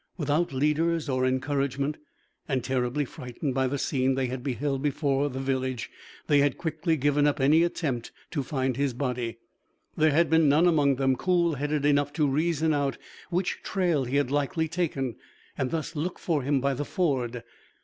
Without leaders or encouragement, and terribly frightened by the scene they had beheld before the village, they had quickly given up any attempt to find his body. There had been none among them coolheaded enough to reason out which trail he had likely taken, and thus look for him by the ford.